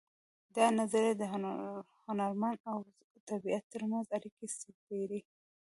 دا نظریه د هنرمن او طبیعت ترمنځ اړیکه سپړي